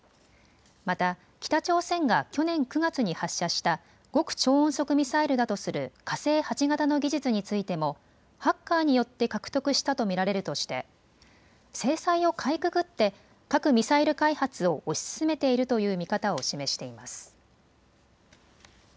また北朝鮮が去年９月に発射した極超音速ミサイルだとする火星８型の技術についてもハッカーによって獲得したと見られるとして制裁をかいくぐって核・ミサイル開発を推し進めているという見方を示しています。